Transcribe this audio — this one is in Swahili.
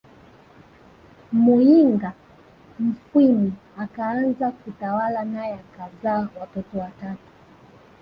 Muyinga Mfwimi akaanza kutawala nae akazaa watoto watatu